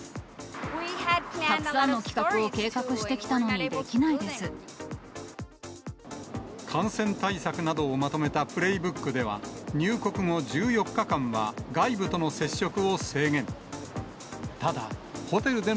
たくさんの企画を計画してき感染対策などをまとめたプレーブックでは、入国後１４日間は外部との接触を制限。